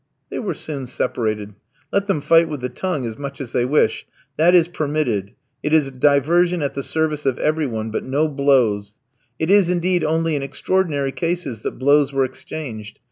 They were soon separated. Let them fight with the tongue as much as they wish. That is permitted. It is a diversion at the service of every one; but no blows. It is, indeed, only in extraordinary cases that blows were exchanged.